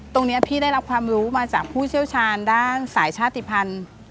ตรงนี้พี่ได้รับความรู้มาจากผู้เชี่ยวชาญด้านสายชาติภัณฑ์